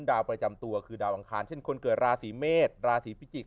ดาวประจำตัวคือดาวอังคารเช่นคนเกิดราศีเมษราศีพิจิกษ